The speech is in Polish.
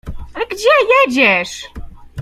"Ale gdzie jedziesz?"